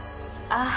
ああ。